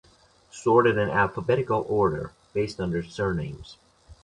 Sorted in alphabetical order (based on their surnames).